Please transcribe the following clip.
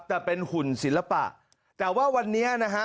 แต่เป็นหุ่นศิลปะแต่ว่าวันนี้นะฮะ